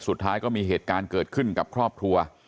สุดท้ายก็มีเหตุการณ์เกิดขึ้นกับครอบครัว